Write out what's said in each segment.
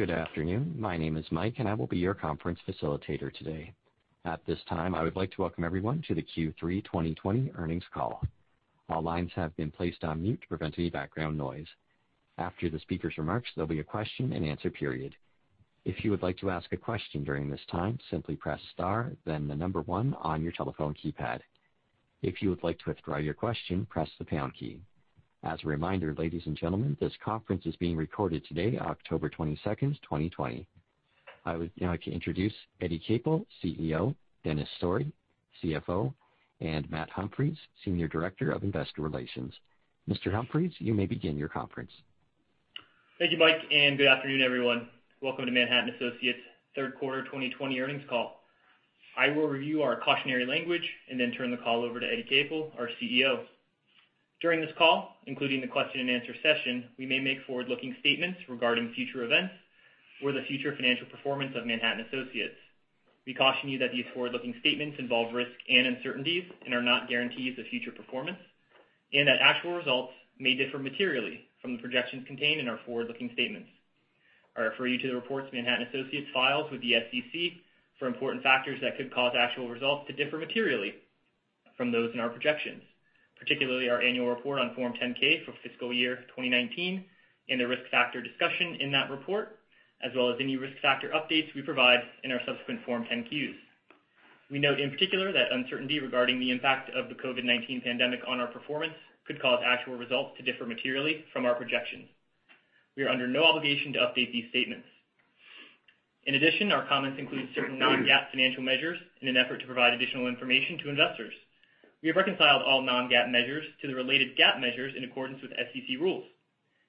Good afternoon. My name is Mike, and I will be your conference facilitator today. At this time, I would like to welcome everyone to the Q3 2020 earnings call. All lines have been placed on mute to prevent any background noise. After the speaker's remarks, there'll be a question and answer period. If you would like to ask a question during this time, simply press star, then the number one on your telephone keypad. If you would like to withdraw your question, press the pound key. As a reminder, ladies and gentlemen, this conference is being recorded today, October 22nd, 2020. I would now like to introduce Eddie Capel, CEO; Dennis Story, CFO; and Matt Humphries, Senior Director of Investor Relations. Mr. Humphries, you may begin your conference. Thank you, Mike, and good afternoon, everyone. Welcome to Manhattan Associates' third quarter 2020 earnings call. I will review our cautionary language and then turn the call over to Eddie Capel, our CEO. During this call, including the question and answer session, we may make forward-looking statements regarding future events or the future financial performance of Manhattan Associates. We caution you that these forward-looking statements involve risk and uncertainties and are not guarantees of future performance, and that actual results may differ materially from the projections contained in our forward-looking statements. I refer you to the reports Manhattan Associates files with the SEC for important factors that could cause actual results to differ materially from those in our projections, particularly our annual report on Form 10-K for fiscal year 2019 and the risk factor discussion in that report, as well as any risk factor updates we provide in our subsequent Form 10-Qs. We note in particular that uncertainty regarding the impact of the COVID-19 pandemic on our performance could cause actual results to differ materially from our projections. We are under no obligation to update these statements. In addition, our comments include certain non-GAAP financial measures in an effort to provide additional information to investors. We have reconciled all non-GAAP measures to the related GAAP measures in accordance with SEC rules.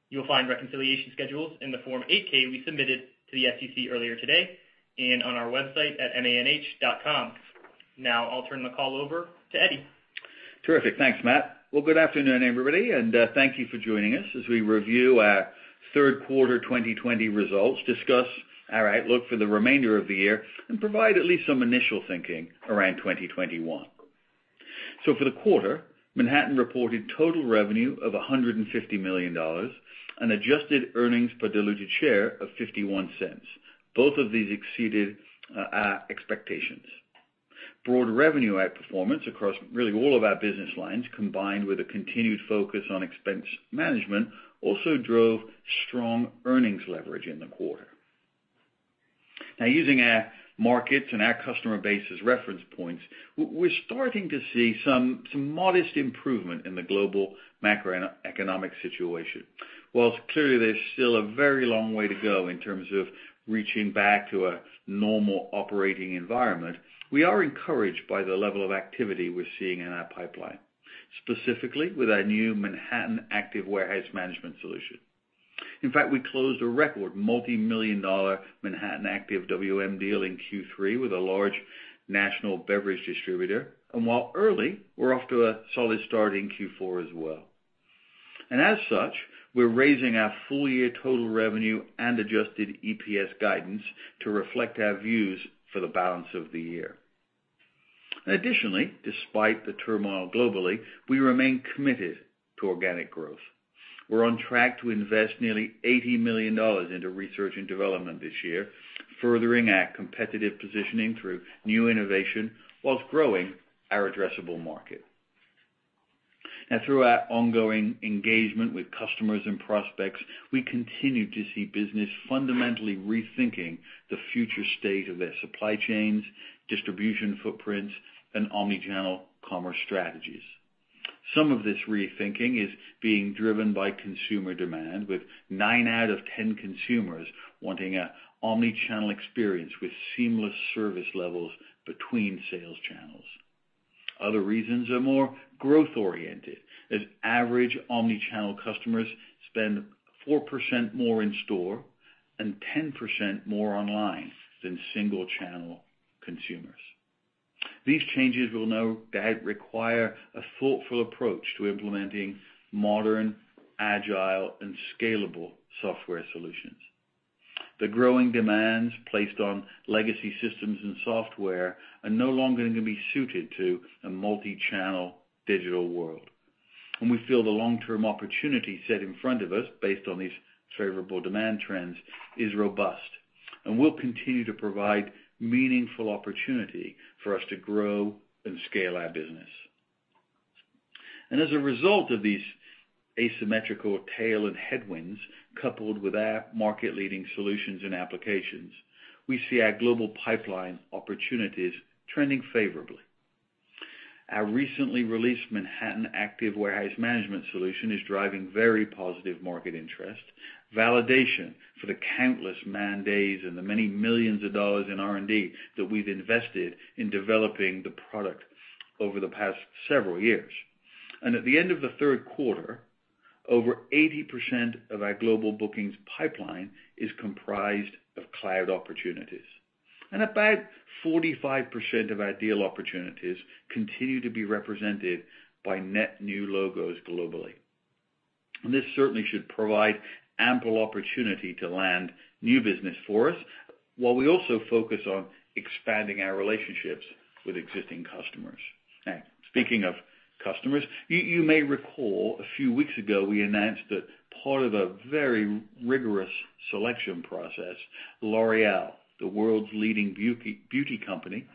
You'll find reconciliation schedules in the Form 8-K we submitted to the SEC earlier today and on our website at manh.com. Now I'll turn the call over to Eddie. Terrific. Thanks, Matt. Well, good afternoon, everybody, and thank you for joining us as we review our third quarter 2020 results, discuss, all right, look for the remainder of the year, and provide at least some initial thinking around 2021. So for the quarter, Manhattan reported total revenue of $150 million and adjusted earnings per diluted share of $0.51. Both of these exceeded our expectations. Broad revenue outperformance across really all of our business lines, combined with a continued focus on expense management, also drove strong earnings leverage in the quarter. Now, using our markets and our customer base as reference points, we're starting to see some modest improvement in the global macroeconomic situation. While clearly there's still a very long way to go in terms of reaching back to a normal operating environment, we are encouraged by the level of activity we're seeing in our pipeline, specifically with our new Manhattan Active Warehouse Management solution. In fact, we closed a record multi-million-dollar Manhattan Active WM deal in Q3 with a large national beverage distributor, and while early, we're off to a solid start in Q4 as well. And as such, we're raising our full year total revenue and adjusted EPS guidance to reflect our views for the balance of the year. Additionally, despite the turmoil globally, we remain committed to organic growth. We're on track to invest nearly $80 million into research and development this year, furthering our competitive positioning through new innovation while growing our addressable market. Now, through our ongoing engagement with customers and prospects, we continue to see business fundamentally rethinking the future state of their supply chains, distribution footprints, and omnichannel commerce strategies. Some of this rethinking is being driven by consumer demand, with nine out of 10 consumers wanting an omni-channel experience with seamless service levels between sales channels. Other reasons are more growth-oriented, as average omnichannel customers spend 4% more in store and 10% more online than single-channel consumers. These changes will no doubt require a thoughtful approach to implementing modern, agile, and scalable software solutions. The growing demands placed on legacy systems and software are no longer going to be suited to a multi-channel digital world, and we feel the long-term opportunity set in front of us, based on these favorable demand trends, is robust, and will continue to provide meaningful opportunity for us to grow and scale our business. As a result of these asymmetrical tailwinds and headwinds, coupled with our market-leading solutions and applications, we see our global pipeline opportunities trending favorably. Our recently released Manhattan Active Warehouse Management solution is driving very positive market interest, validation for the countless man days and the many millions of dollars in R&D that we've invested in developing the product over the past several years. At the end of the third quarter, over 80% of our global bookings pipeline is comprised of cloud opportunities, and about 45% of our deal opportunities continue to be represented by net new logos globally. This certainly should provide ample opportunity to land new business for us while we also focus on expanding our relationships with existing customers. Now, speaking of customers, you may recall a few weeks ago we announced that part of a very rigorous selection process, L'Oréal, the world's leading beauty company,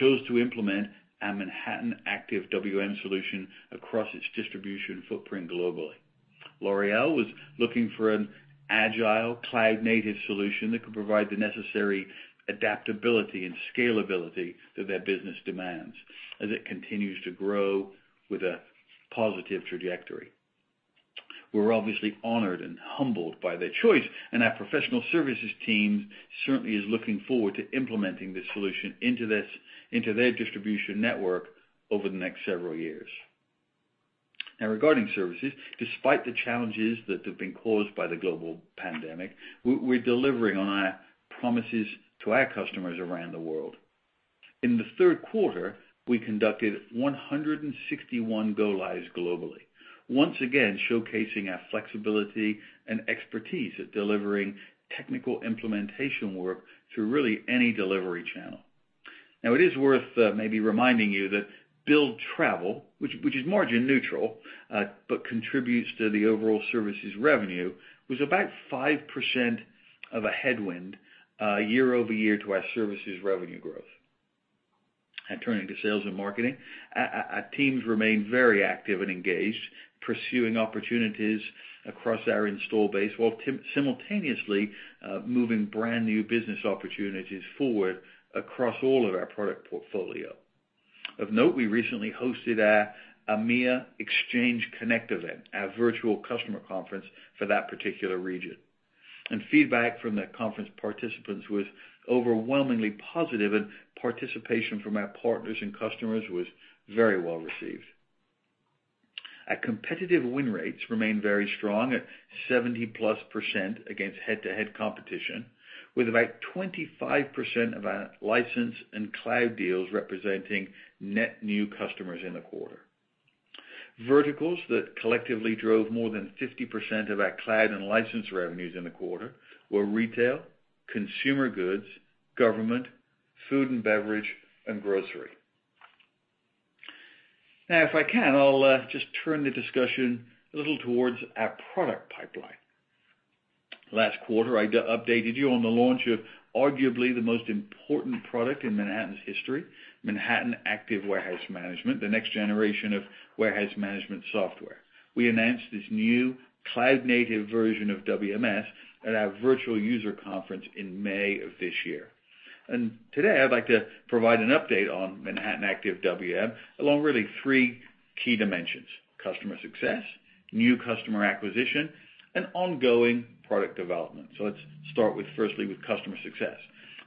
chose to implement our Manhattan Active WM solution across its distribution footprint globally. L'Oréal was looking for an agile, cloud-native solution that could provide the necessary adaptability and scalability that their business demands as it continues to grow with a positive trajectory. We're obviously honored and humbled by their choice, and our professional services team certainly is looking forward to implementing this solution into their distribution network over the next several years. Now, regarding services, despite the challenges that have been caused by the global pandemic, we're delivering on our promises to our customers around the world. In the third quarter, we conducted 161 go-lives globally, once again showcasing our flexibility and expertise at delivering technical implementation work through really any delivery channel. Now, it is worth maybe reminding you that billable travel, which is margin neutral but contributes to the overall services revenue, was about 5% of a headwind year-over-year to our services revenue growth. Now, turning to sales and marketing, our teams remain very active and engaged, pursuing opportunities across our installed base while simultaneously moving brand new business opportunities forward across all of our product portfolio. Of note, we recently hosted our EMEA Exchange Connect event, our virtual customer conference for that particular region, and feedback from the conference participants was overwhelmingly positive, and participation from our partners and customers was very well received. Our competitive win rates remain very strong at 70%+ against head-to-head competition, with about 25% of our license and cloud deals representing net new customers in the quarter. Verticals that collectively drove more than 50% of our cloud and license revenues in the quarter were retail, consumer goods, government, food and beverage, and grocery. Now, if I can, I'll just turn the discussion a little towards our product pipeline. Last quarter, I updated you on the launch of arguably the most important product in Manhattan's history, Manhattan Active Warehouse Management, the next generation of warehouse management software. We announced this new cloud-native version of WMS at our virtual user conference in May of this year. And today, I'd like to provide an update on Manhattan Active WM along really three key dimensions: customer success, new customer acquisition, and ongoing product development. So let's start firstly with customer success.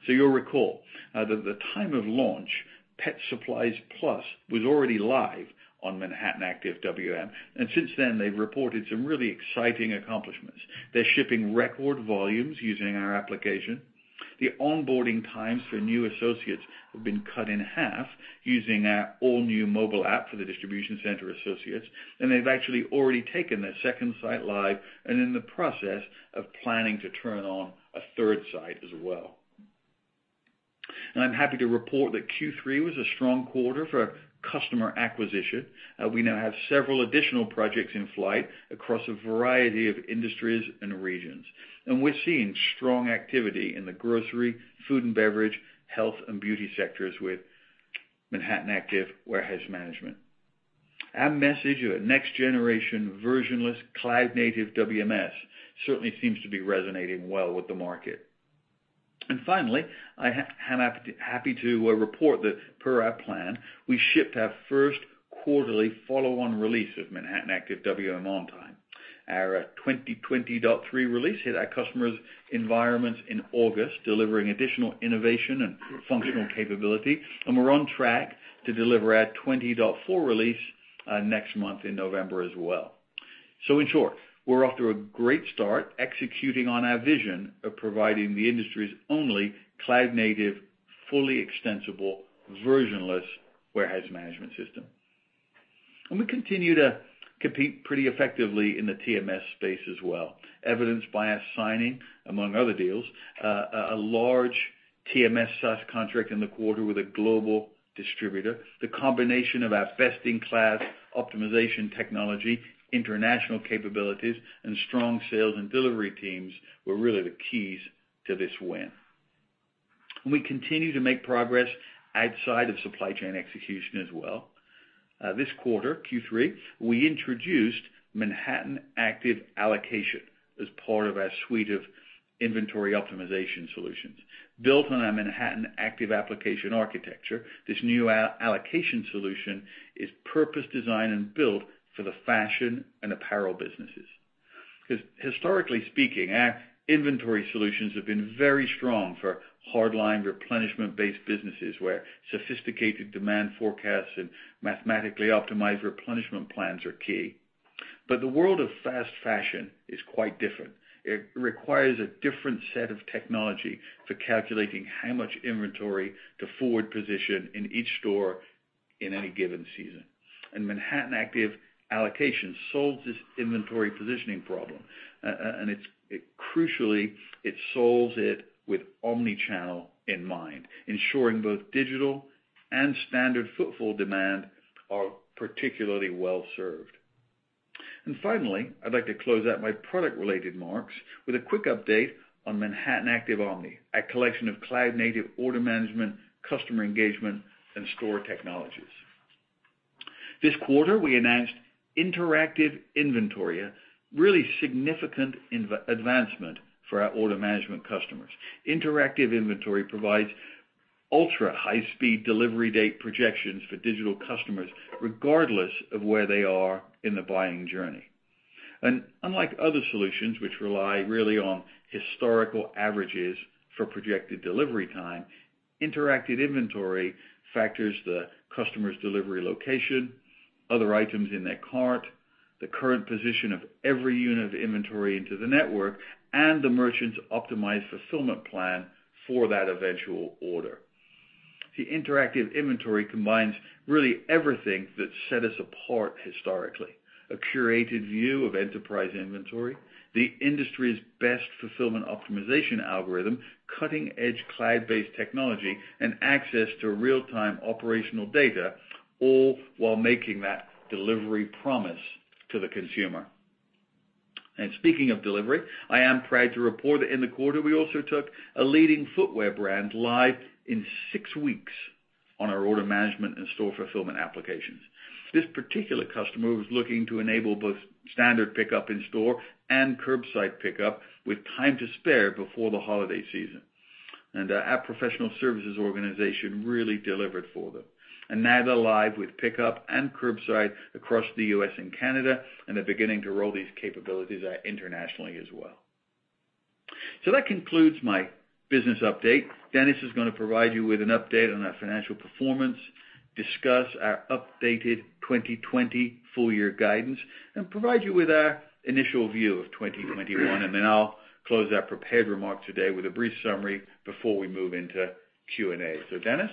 So you'll recall that at the time of launch, Pet Supplies Plus was already live on Manhattan Active WM, and since then, they've reported some really exciting accomplishments. They're shipping record volumes using our application. The onboarding times for new associates have been cut in half using our all-new mobile app for the distribution center associates, and they've actually already taken their second site live and in the process of planning to turn on a third site as well, and I'm happy to report that Q3 was a strong quarter for customer acquisition. We now have several additional projects in flight across a variety of industries and regions, and we're seeing strong activity in the grocery, food and beverage, health, and beauty sectors with Manhattan Active Warehouse Management. Our message of a next-generation versionless cloud-native WMS certainly seems to be resonating well with the market, and finally, I'm happy to report that per our plan, we shipped our first quarterly follow-on release of Manhattan Active WM on time. Our 2020.3 release hit our customers' environments in August, delivering additional innovation and functional capability, and we're on track to deliver our 20.4 release next month in November as well. So in short, we're off to a great start executing on our vision of providing the industry's only cloud-native, fully extensible, versionless warehouse management system. And we continue to compete pretty effectively in the TMS space as well, evidenced by our signing, among other deals, a large TMS SaaS contract in the quarter with a global distributor. The combination of our best-in-class optimization technology, international capabilities, and strong sales and delivery teams were really the keys to this win. And we continue to make progress outside of supply chain execution as well. This quarter, Q3, we introduced Manhattan Active Allocation as part of our suite of inventory optimization solutions. Built on our Manhattan Active Application Architecture, this new allocation solution is purpose-designed and built for the fashion and apparel businesses. Historically speaking, our inventory solutions have been very strong for hardline replenishment-based businesses where sophisticated demand forecasts and mathematically optimized replenishment plans are key but the world of fast fashion is quite different. It requires a different set of technology for calculating how much inventory to forward position in each store in any given season and Manhattan Active Allocation solves this inventory positioning problem, and crucially, it solves it with omnichannel in mind, ensuring both digital and standard footfall demand are particularly well served and finally, I'd like to close out my product-related remarks with a quick update on Manhattan Active Omni, our collection of cloud-native order management, customer engagement, and store technologies. This quarter, we announced Interactive Inventory, a really significant advancement for our order management customers. Interactive Inventory provides ultra-high-speed delivery date projections for digital customers regardless of where they are in the buying journey. Unlike other solutions which rely really on historical averages for projected delivery time, Interactive Inventory factors the customer's delivery location, other items in their cart, the current position of every unit of inventory into the network, and the merchant's optimized fulfillment plan for that eventual order. The Interactive Inventory combines really everything that set us apart historically: a curated view of enterprise inventory, the industry's best fulfillment optimization algorithm, cutting-edge cloud-based technology, and access to real-time operational data, all while making that delivery promise to the consumer. Speaking of delivery, I am proud to report that in the quarter, we also took a leading footwear brand live in six weeks on our order management and store fulfillment applications. This particular customer was looking to enable both standard pickup in store and curbside pickup with time to spare before the holiday season. And our professional services organization really delivered for them. And now they're live with pickup and curbside across the U.S. and Canada, and they're beginning to roll these capabilities out internationally as well. So that concludes my business update. Dennis is going to provide you with an update on our financial performance, discuss our updated 2020 full-year guidance, and provide you with our initial view of 2021. And then I'll close our prepared remarks today with a brief summary before we move into Q&A. So Dennis?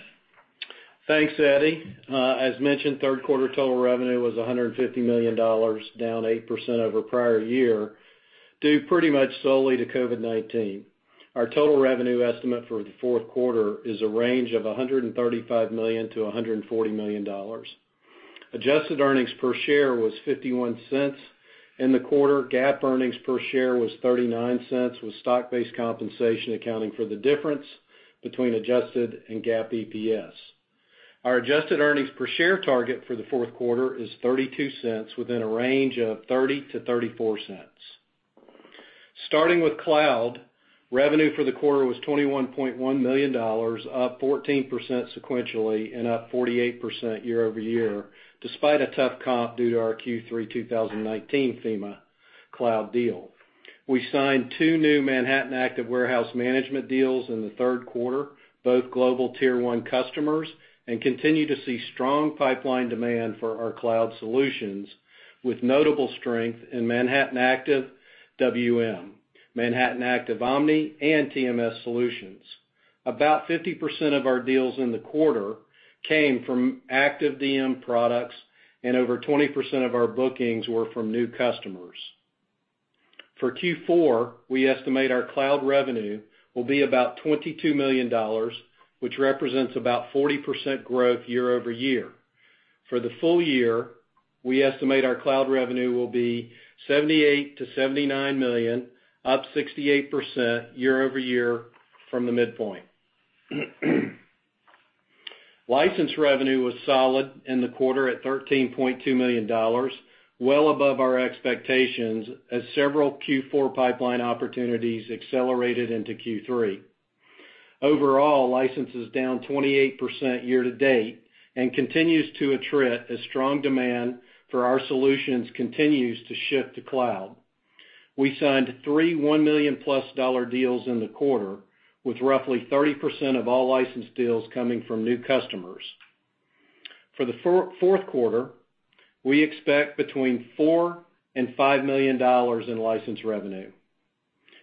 Thanks, Eddie. As mentioned, third quarter total revenue was $150 million, down 8% over prior year, due pretty much solely to COVID-19. Our total revenue estimate for the fourth quarter is a range of $135 million-$140 million. Adjusted earnings per share was $0.51 in the quarter. GAAP earnings per share was $0.39, with stock-based compensation accounting for the difference between adjusted and GAAP EPS. Our adjusted earnings per share target for the fourth quarter is $0.32 within a range of $0.30-$0.34. Starting with cloud, revenue for the quarter was $21.1 million, up 14% sequentially and up 48% year-over-year, despite a tough comp due to our Q3 2019 FEMA cloud deal. We signed two new Manhattan Active Warehouse Management deals in the third quarter, both global Tier 1 customers, and continue to see strong pipeline demand for our cloud solutions with notable strength in Manhattan Active WM, Manhattan Active Omni, and TMS solutions. About 50% of our deals in the quarter came from Active DM products, and over 20% of our bookings were from new customers. For Q4, we estimate our cloud revenue will be about $22 million, which represents about 40% growth year-over-year. For the full year, we estimate our cloud revenue will be $78 million-$79 million, up 68% year-over-year from the midpoint. License revenue was solid in the quarter at $13.2 million, well above our expectations as several Q4 pipeline opportunities accelerated into Q3. Overall, licenses down 28% year to date and continues to attract a strong demand for our solutions that continues to shift to cloud. We signed three $1 million-plus deals in the quarter, with roughly 30% of all license deals coming from new customers. For the fourth quarter, we expect between $4 million and $5 million in license revenue,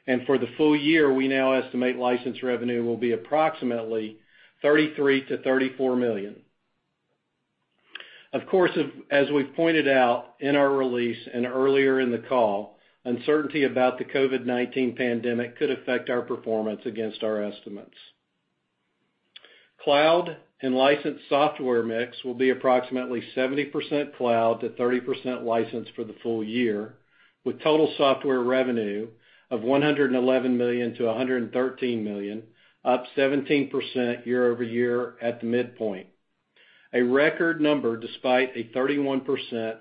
and for the full year, we now estimate license revenue will be approximately $33 million-$34 million. Of course, as we've pointed out in our release and earlier in the call, uncertainty about the COVID-19 pandemic could affect our performance against our estimates. Cloud and licensed software mix will be approximately 70% cloud to 30% license for the full year, with total software revenue of $111 million-$113 million, up 17% year-over-year at the midpoint, a record number despite a 31%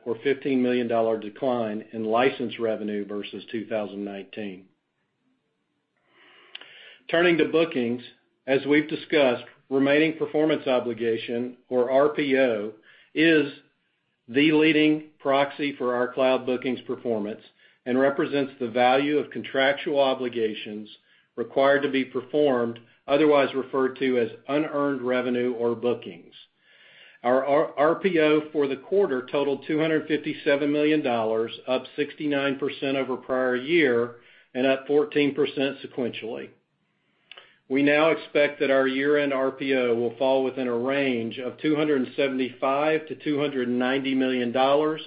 or $15 million decline in license revenue versus 2019. Turning to bookings, as we've discussed, remaining performance obligation, or RPO, is the leading proxy for our cloud bookings performance and represents the value of contractual obligations required to be performed, otherwise referred to as unearned revenue or bookings. Our RPO for the quarter totaled $257 million, up 69% over prior year and up 14% sequentially. We now expect that our year-end RPO will fall within a range of $275 million-$290 million,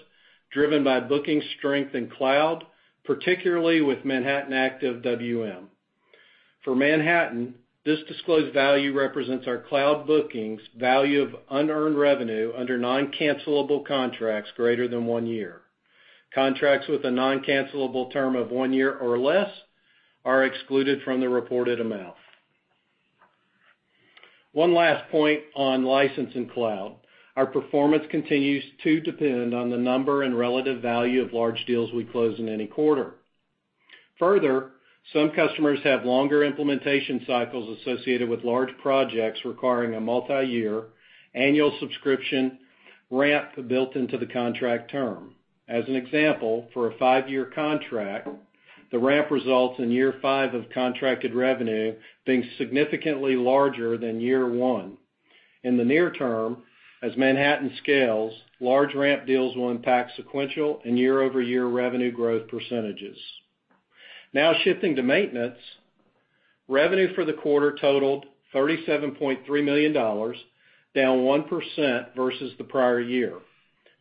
driven by booking strength in cloud, particularly with Manhattan Active WM. For Manhattan, this disclosed value represents our cloud bookings' value of unearned revenue under non-cancellable contracts greater than one year. Contracts with a non-cancellable term of one year or less are excluded from the reported amount. One last point on license and cloud: our performance continues to depend on the number and relative value of large deals we close in any quarter. Further, some customers have longer implementation cycles associated with large projects requiring a multi-year annual subscription ramp built into the contract term. As an example, for a five-year contract, the ramp results in year five of contracted revenue being significantly larger than year one. In the near term, as Manhattan scales, large ramp deals will impact sequential and year-over-year revenue growth percentages. Now shifting to maintenance, revenue for the quarter totaled $37.3 million, down 1% versus the prior year.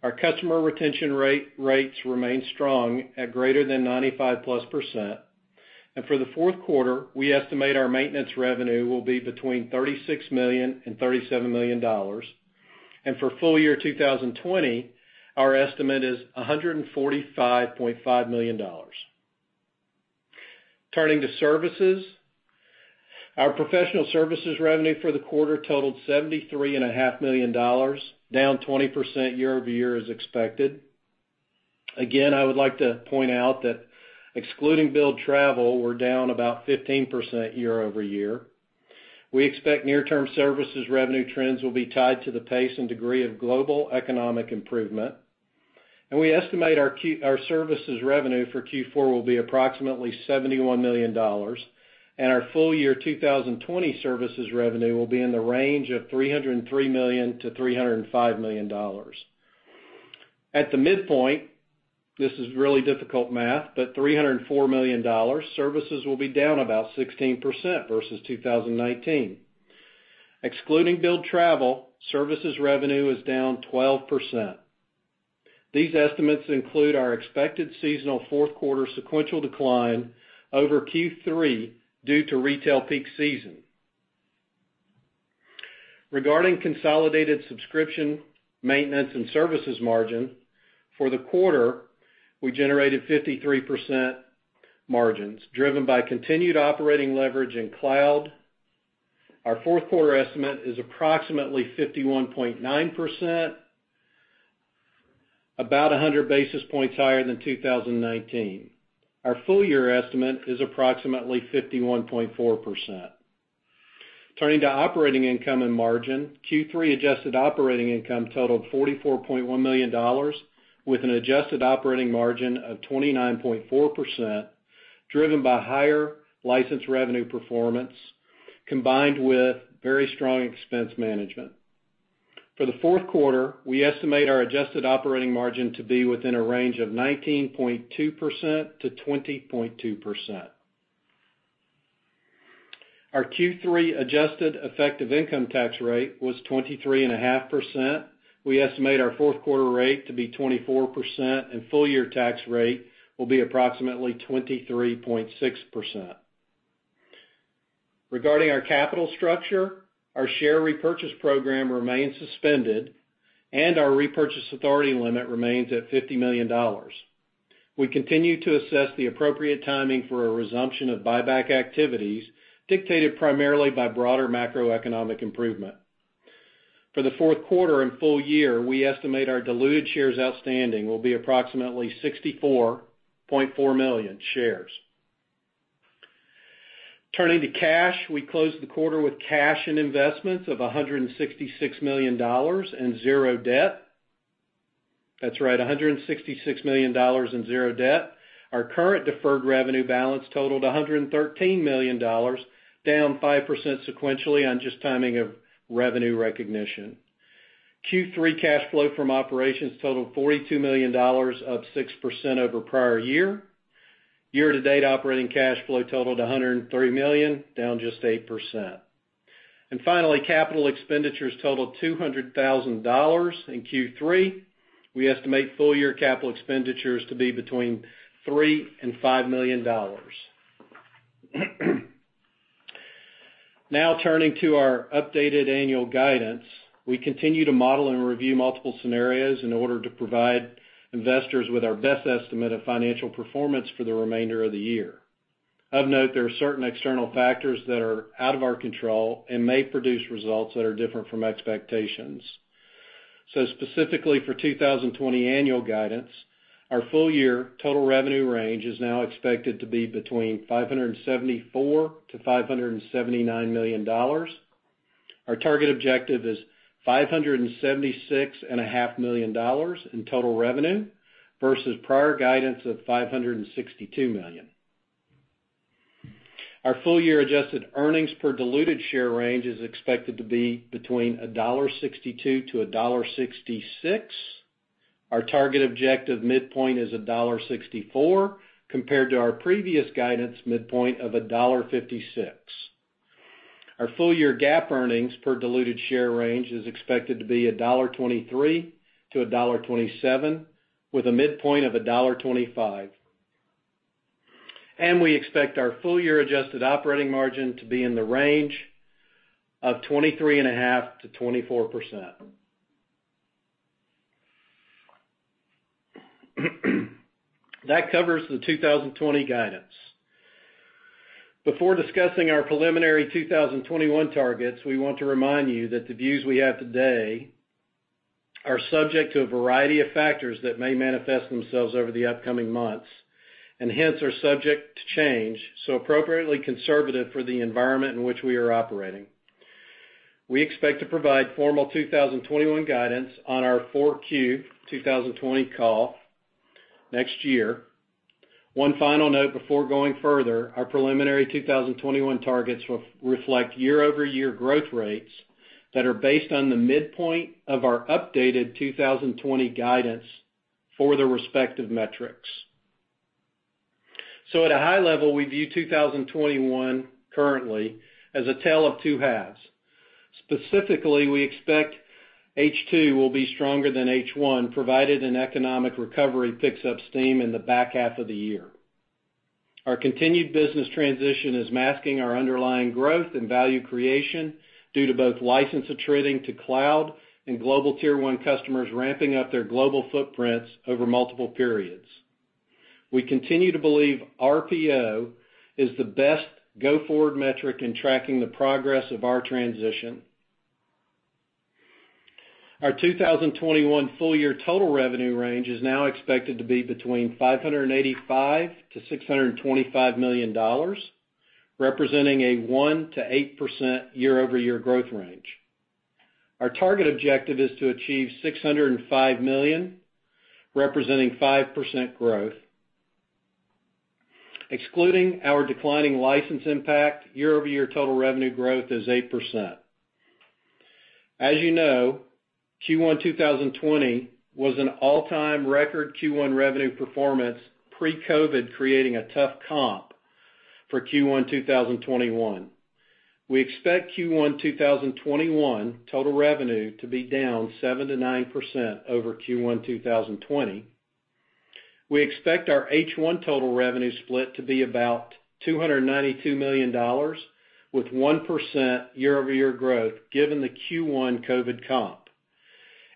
Our customer retention rates remain strong at greater than 95-plus%. And for the fourth quarter, we estimate our maintenance revenue will be between $36 million and $37 million. And for full year 2020, our estimate is $145.5 million. Turning to services, our professional services revenue for the quarter totaled $73.5 million, down 20% year-over-year as expected. Again, I would like to point out that excluding billed travel, we're down about 15% year-over-year. We expect near-term services revenue trends will be tied to the pace and degree of global economic improvement. We estimate our services revenue for Q4 will be approximately $71 million, and our full year 2020 services revenue will be in the range of $303 million-$305 million. At the midpoint, this is really difficult math, but $304 million services will be down about 16% versus 2019. Excluding billed travel, services revenue is down 12%. These estimates include our expected seasonal fourth quarter sequential decline over Q3 due to retail peak season. Regarding consolidated subscription, maintenance, and services margin, for the quarter, we generated 53% margins driven by continued operating leverage in cloud. Our fourth quarter estimate is approximately 51.9%, about 100 basis points higher than 2019. Our full year estimate is approximately 51.4%. Turning to operating income and margin, Q3 adjusted operating income totaled $44.1 million with an adjusted operating margin of 29.4%, driven by higher license revenue performance combined with very strong expense management. For the fourth quarter, we estimate our adjusted operating margin to be within a range of 19.2%-20.2%. Our Q3 adjusted effective income tax rate was 23.5%. We estimate our fourth quarter rate to be 24%, and full year tax rate will be approximately 23.6%. Regarding our capital structure, our share repurchase program remains suspended, and our repurchase authority limit remains at $50 million. We continue to assess the appropriate timing for a resumption of buyback activities dictated primarily by broader macroeconomic improvement. For the fourth quarter and full year, we estimate our diluted shares outstanding will be approximately 64.4 million shares. Turning to cash, we closed the quarter with cash and investments of $166 million and zero debt. That's right, $166 million and zero debt. Our current deferred revenue balance totaled $113 million, down 5% sequentially on just timing of revenue recognition. Q3 cash flow from operations totaled $42 million, up 6% over prior year. Year-to-date operating cash flow totaled $103 million, down just 8%. Finally, capital expenditures totaled $200,000 in Q3. We estimate full year capital expenditures to be between $3 and $5 million. Now turning to our updated annual guidance, we continue to model and review multiple scenarios in order to provide investors with our best estimate of financial performance for the remainder of the year. Of note, there are certain external factors that are out of our control and may produce results that are different from expectations. Specifically for 2020 annual guidance, our full year total revenue range is now expected to be between $574-$579 million. Our target objective is $576.5 million in total revenue versus prior guidance of $562 million. Our full year adjusted earnings per diluted share range is expected to be between $1.62-$1.66. Our target objective midpoint is $1.64 compared to our previous guidance midpoint of $1.56. Our full year GAAP earnings per diluted share range is expected to be $1.23-$1.27, with a midpoint of $1.25. And we expect our full year adjusted operating margin to be in the range of 23.5%-24%. That covers the 2020 guidance. Before discussing our preliminary 2021 targets, we want to remind you that the views we have today are subject to a variety of factors that may manifest themselves over the upcoming months, and hence are subject to change, so appropriately conservative for the environment in which we are operating. We expect to provide formal 2021 guidance on our 4Q 2020 call next year. One final note before going further: our preliminary 2021 targets reflect year-over-year growth rates that are based on the midpoint of our updated 2020 guidance for the respective metrics, so at a high level, we view 2021 currently as a tale of two halves. Specifically, we expect H2 will be stronger than H1, provided an economic recovery picks up steam in the back half of the year. Our continued business transition is masking our underlying growth and value creation due to both license are trading to cloud and global Tier 1 customers ramping up their global footprints over multiple periods. We continue to believe RPO is the best go-forward metric in tracking the progress of our transition. Our 2021 full year total revenue range is now expected to be between $585 million-$625 million, representing a 1%-8% year-over-year growth range. Our target objective is to achieve $605 million, representing 5% growth. Excluding our declining license impact, year-over-year total revenue growth is 8%. As you know, Q1 2020 was an all-time record Q1 revenue performance pre-COVID, creating a tough comp for Q1 2021. We expect Q1 2021 total revenue to be down 7%-9% over Q1 2020. We expect our H1 total revenue split to be about $292 million, with 1% year-over-year growth given the Q1 COVID comp,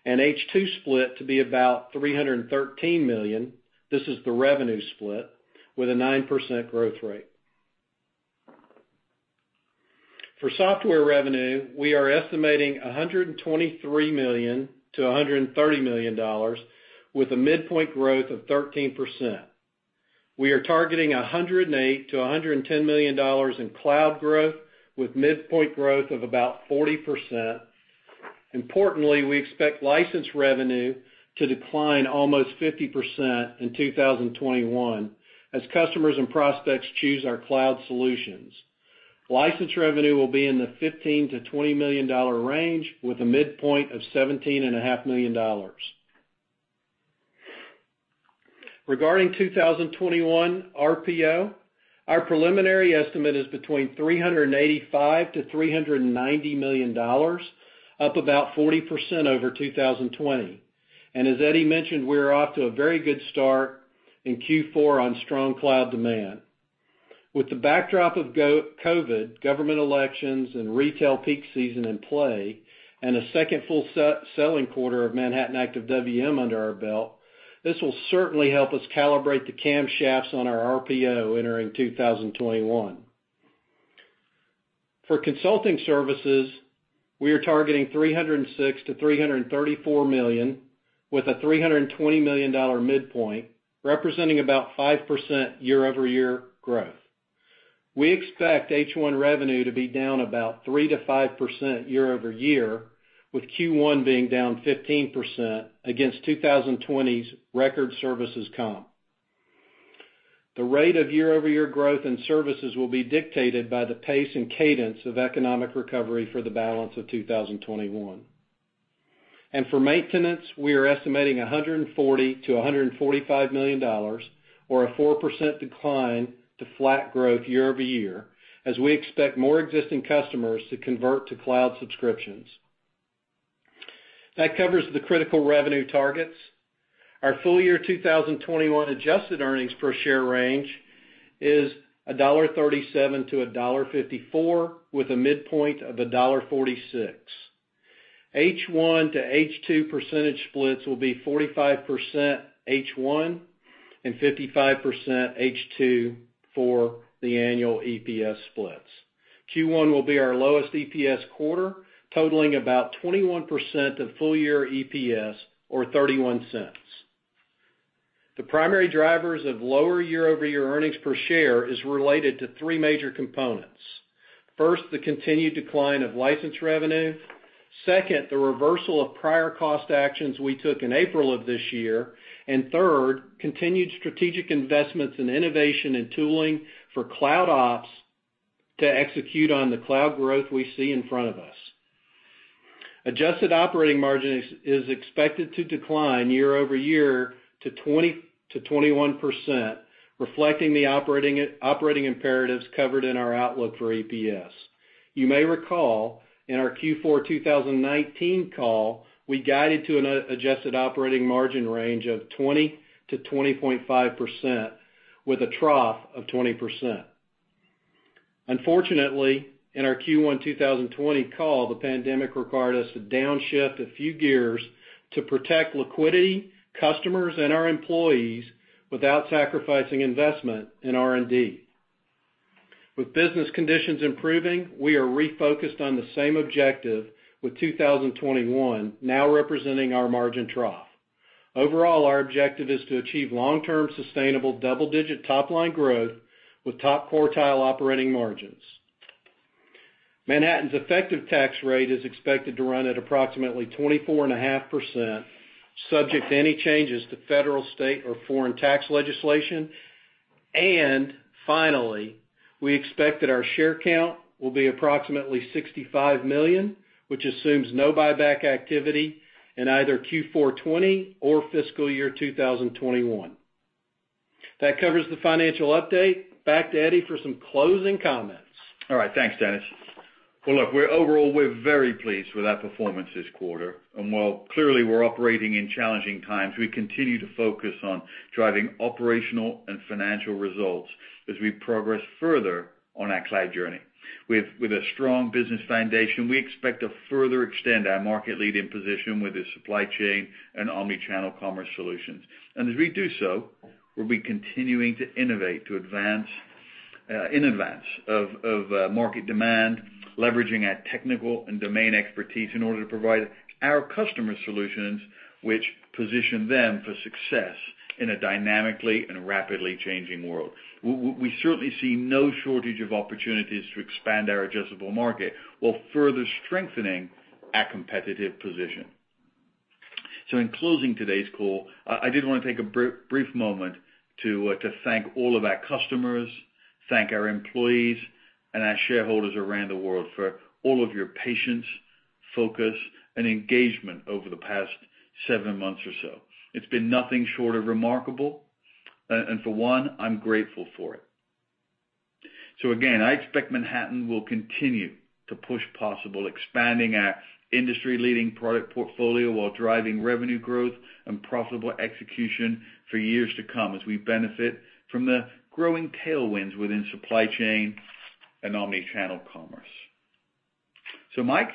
and H2 split to be about $313 million. This is the revenue split with a 9% growth rate. For software revenue, we are estimating $123 million-$130 million, with a midpoint growth of 13%. We are targeting $108 million-$110 million in cloud growth, with midpoint growth of about 40%. Importantly, we expect license revenue to decline almost 50% in 2021 as customers and prospects choose our cloud solutions. License revenue will be in the $15 million-$20 million range, with a midpoint of $17.5 million. Regarding 2021 RPO, our preliminary estimate is between $385 million-$390 million, up about 40% over 2020. As Eddie mentioned, we're off to a very good start in Q4 on strong cloud demand. With the backdrop of COVID, government elections, and retail peak season in play, and a second full selling quarter of Manhattan Active WM under our belt, this will certainly help us calibrate the camshafts on our RPO entering 2021. For consulting services, we are targeting $306-$334 million, with a $320 million midpoint, representing about 5% year-over-year growth. We expect H1 revenue to be down about 3%-5% year-over-year, with Q1 being down 15% against 2020's record services comp. The rate of year-over-year growth in services will be dictated by the pace and cadence of economic recovery for the balance of 2021, and for maintenance, we are estimating $140 million-$145 million, or a 4% decline to flat growth year-over-year, as we expect more existing customers to convert to cloud subscriptions. That covers the critical revenue targets. Our full year 2021 adjusted earnings per share range is $1.37-$1.54, with a midpoint of $1.46. H1 to H2 percentage splits will be 45% H1 and 55% H2 for the annual EPS splits. Q1 will be our lowest EPS quarter, totaling about 21% of full year EPS, or $0.31. The primary drivers of lower year-over-year earnings per share are related to three major components. First, the continued decline of license revenue. Second, the reversal of prior cost actions we took in April of this year. And third, continued strategic investments in innovation and tooling for cloud ops to execute on the cloud growth we see in front of us. Adjusted operating margin is expected to decline year-over-year to 20%-21%, reflecting the operating imperatives covered in our outlook for EPS. You may recall, in our Q4 2019 call, we guided to an adjusted operating margin range of 20%-20.5%, with a trough of 20%. Unfortunately, in our Q1 2020 call, the pandemic required us to downshift a few gears to protect liquidity, customers, and our employees without sacrificing investment in R&D. With business conditions improving, we are refocused on the same objective, with 2021 now representing our margin trough. Overall, our objective is to achieve long-term sustainable double-digit top-line growth with top quartile operating margins. Manhattan's effective tax rate is expected to run at approximately 24.5%, subject to any changes to federal, state, or foreign tax legislation. And finally, we expect that our share count will be approximately 65 million, which assumes no buyback activity in either Q4 2020 or fiscal year 2021. That covers the financial update. Back to Eddie for some closing comments. All right. Thanks, Dennis. Well, look, overall, we're very pleased with our performance this quarter. And while clearly we're operating in challenging times, we continue to focus on driving operational and financial results as we progress further on our cloud journey. With a strong business foundation, we expect to further extend our market leading position with the supply chain and omnichannel commerce solutions. And as we do so, we'll be continuing to innovate in advance of market demand, leveraging our technical and domain expertise in order to provide our customers solutions which position them for success in a dynamically and rapidly changing world. We certainly see no shortage of opportunities to expand our addressable market while further strengthening our competitive position. So in closing today's call, I did want to take a brief moment to thank all of our customers, thank our employees, and our shareholders around the world for all of your patience, focus, and engagement over the past seven months or so. It's been nothing short of remarkable, and for one, I'm grateful for it. So again, I expect Manhattan will continue to push possible, expanding our industry-leading product portfolio while driving revenue growth and profitable execution for years to come as we benefit from the growing tailwinds within supply chain and omnichannel commerce. So Mike,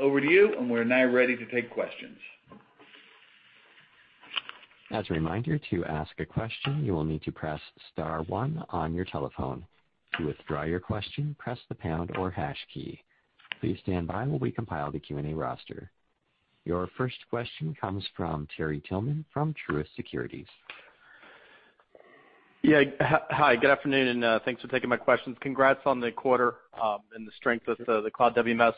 over to you, and we're now ready to take questions. As a reminder to ask a question, you will need to press star one on your telephone. To withdraw your question, press the pound or hash key. Please stand by while we compile the Q&A roster. Your first question comes from Terry Tillman from Truist Securities. Yeah. Hi. Good afternoon, and thanks for taking my questions. Congrats on the quarter and the strength of the cloud WMS.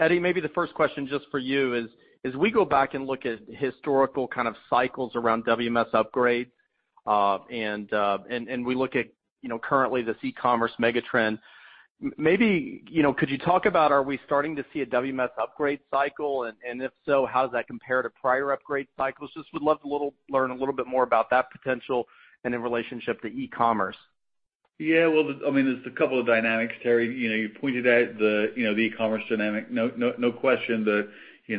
Eddie, maybe the first question just for you is, as we go back and look at historical kind of cycles around WMS upgrades and we look at currently this e-commerce megatrend, maybe could you talk about, are we starting to see a WMS upgrade cycle? And if so, how does that compare to prior upgrade cycles? Just would love to learn a little bit more about that potential and in relationship to e-commerce. Yeah. Well, I mean, there's a couple of dynamics, Terry. You pointed out the e-commerce dynamic. No question that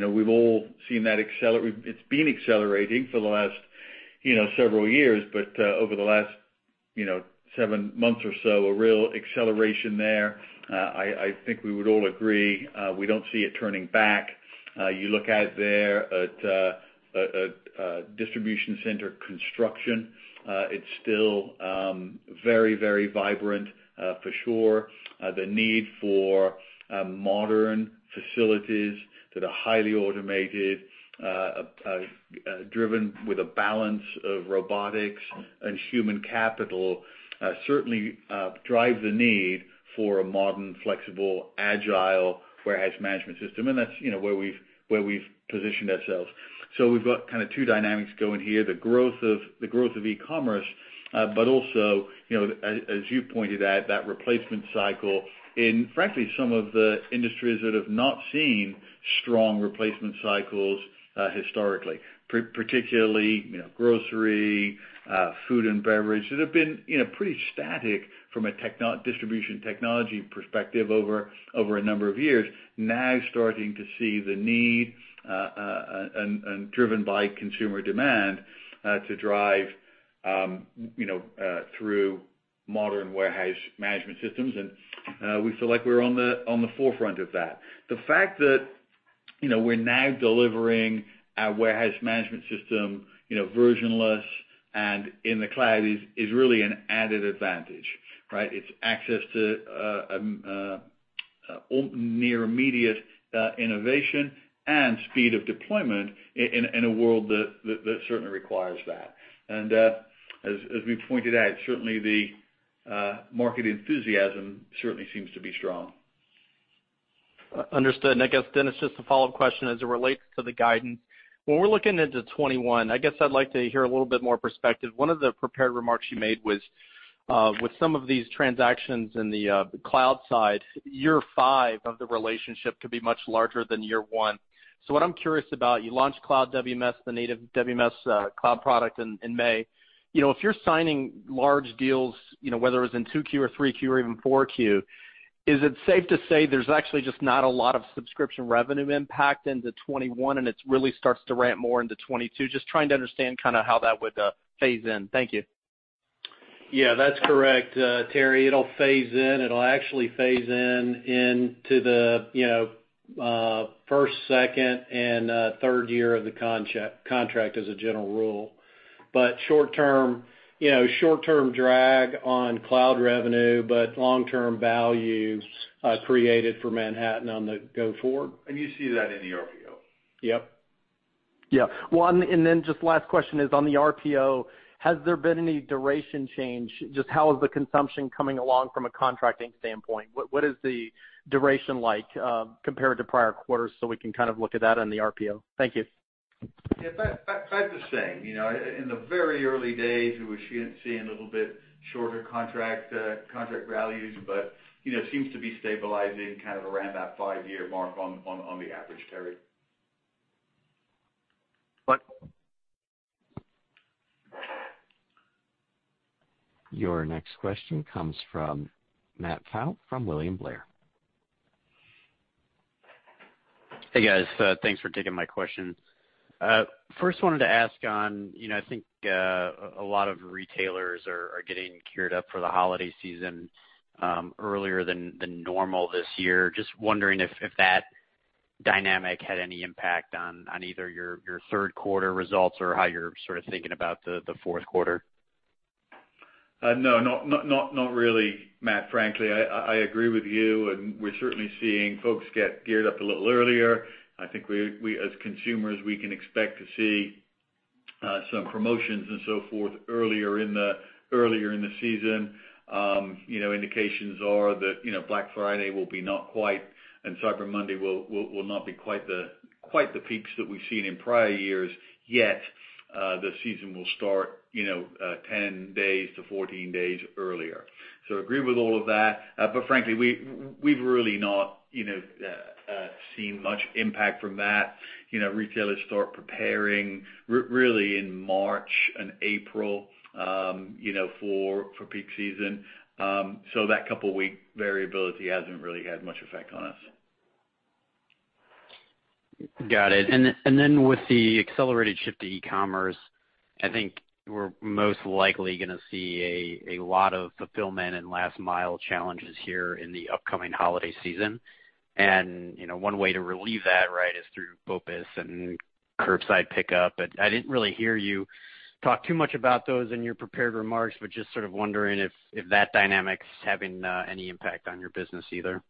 we've all seen that accelerate. It's been accelerating for the last several years, but over the last seven months or so, a real acceleration there. I think we would all agree. We don't see it turning back. You look at it there at distribution center construction, it's still very, very vibrant for sure. The need for modern facilities that are highly automated, driven with a balance of robotics and human capital certainly drives the need for a modern, flexible, agile warehouse management system, and that's where we've positioned ourselves. We've got kind of two dynamics going here: the growth of e-commerce, but also, as you pointed out, that replacement cycle in, frankly, some of the industries that have not seen strong replacement cycles historically, particularly grocery, food, and beverage that have been pretty static from a distribution technology perspective over a number of years, now starting to see the need and driven by consumer demand to drive through modern warehouse management systems. We feel like we're on the forefront of that. The fact that we're now delivering our warehouse management system versionless and in the cloud is really an added advantage, right? It's access to near immediate innovation and speed of deployment in a world that certainly requires that. As we pointed out, the market enthusiasm seems to be strong. Understood. And I guess, Dennis, just a follow-up question as it relates to the guidance. When we're looking into 2021, I guess I'd like to hear a little bit more perspective. One of the prepared remarks you made was, with some of these transactions in the cloud side, year five of the relationship could be much larger than year one. So what I'm curious about, you launched cloud WMS, the native WMS cloud product in May. If you're signing large deals, whether it's in 2Q or 3Q or even 4Q, is it safe to say there's actually just not a lot of subscription revenue impact into 2021, and it really starts to ramp more into 2022? Just trying to understand kind of how that would phase in. Thank you. Yeah, that's correct, Terry. It'll phase in. It'll actually phase in into the first, second, and third year of the contract as a general rule. But short-term drag on cloud revenue, but long-term value created for Manhattan on the go forward. You see that in the RPO. Yep. Yeah. Well, and then just last question is, on the RPO, has there been any duration change? Just how is the consumption coming along from a contracting standpoint? What is the duration like compared to prior quarters? So we can kind of look at that on the RPO. Thank you. Yeah. That's the same. In the very early days, we were seeing a little bit shorter contract values, but it seems to be stabilizing kind of around that five-year mark on the average, Terry. [What?] Your next question comes from Matt Pfau from William Blair. Hey, guys. Thanks for taking my question. First, wanted to ask on, I think a lot of retailers are getting geared up for the holiday season earlier than normal this year. Just wondering if that dynamic had any impact on either your third quarter results or how you're sort of thinking about the fourth quarter? No, not really, Matt. Frankly, I agree with you, and we're certainly seeing folks get geared up a little earlier. I think we, as consumers, can expect to see some promotions and so forth earlier in the season. Indications are that Black Friday will be not quite and Cyber Monday will not be quite the peaks that we've seen in prior years, yet the season will start 10 days to 14 days earlier. So agree with all of that. But frankly, we've really not seen much impact from that. Retailers start preparing really in March and April for peak season. So that couple-week variability hasn't really had much effect on us. Got it and then with the accelerated shift to e-commerce, I think we're most likely going to see a lot of fulfillment and last-mile challenges here in the upcoming holiday season and one way to relieve that, right, is through BOPUS and curbside pickup. But I didn't really hear you talk too much about those in your prepared remarks, but just sort of wondering if that dynamic's having any impact on your business either.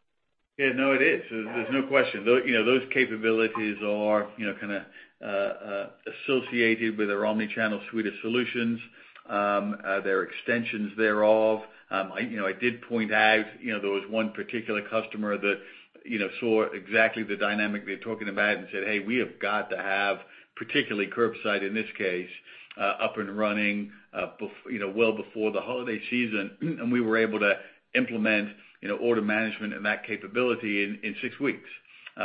Yeah. No, it is. There's no question. Those capabilities are kind of associated with our Omnichannel suite of solutions, their extensions thereof. I did point out there was one particular customer that saw exactly the dynamic they're talking about and said, "Hey, we have got to have particularly curbside, in this case, up and running well before the holiday season." And we were able to implement order management and that capability in six weeks,